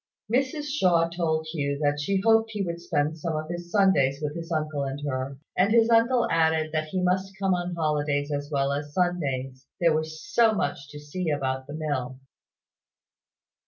Mrs Shaw told Hugh that she hoped he would spend some of his Sundays with his uncle and her; and his uncle added that he must come on holidays as well as Sundays, there was so much to see about the mill.